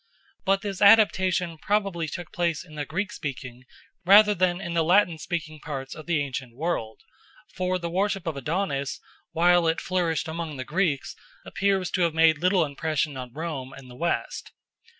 But this adaptation probably took place in the Greek speaking rather than in the Latin speaking parts of the ancient world; for the worship of Adonis, while it flourished among the Greeks, appears to have made little impression on Rome and the West.